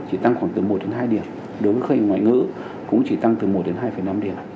chỉ tăng khoảng từ một đến hai điểm đối với cây ngoại ngữ cũng chỉ tăng từ một đến hai năm điểm